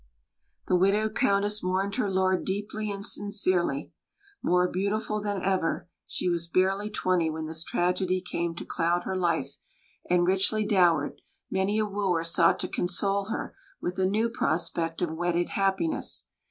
The widowed Countess mourned her lord deeply and sincerely. More beautiful than ever (she was barely twenty when this tragedy came to cloud her life), and richly dowered, many a wooer sought to console her with a new prospect of wedded happiness.